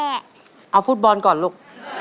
เอาฟุตบอลก่อนลูก